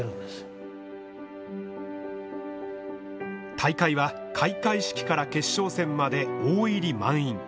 大会は、開会式から決勝戦まで大入り満員。